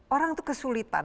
orang itu kesulitan